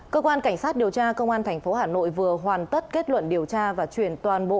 cơ quan cảnh sát điều tra công an tp hà nội vừa hoàn tất kết luận điều tra và chuyển toàn bộ